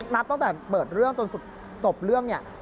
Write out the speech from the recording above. นับตั้งแต่เปิดเรื่องจนจบเรื่องเนี่ย